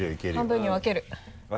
半分に分ける。